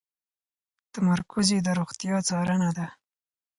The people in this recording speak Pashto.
تمرکز یې د روغتیا څارنه ده.